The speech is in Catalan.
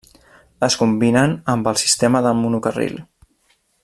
Es combinen amb el sistema de monocarril.